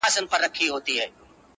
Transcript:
غوړولی یې په ملک کي امنیت وو؛